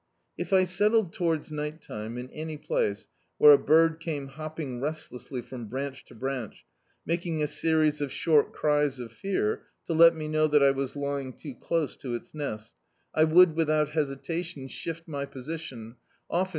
If I settled towards night time in any place where a bird came hopping restlessly from branch to branch, making a series of short cries of fear, to let me know that I was lying too close to its nest, I would without hesitation shift my position, often to D,i.